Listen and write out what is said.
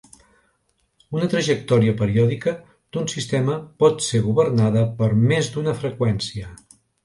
Una trajectòria periòdica d'un sistema pot ser governada per més d'una freqüència.